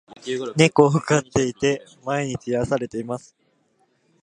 猫を飼っていて、毎日癒されています。